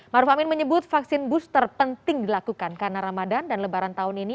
maruf amin menyebut vaksin booster penting dilakukan karena ramadan dan lebaran tahun ini